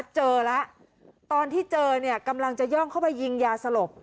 เจอแล้วตอนที่เจอเนี่ยกำลังจะย่องเข้าไปยิงยาสลบ